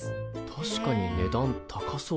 確かに値段高そうだな。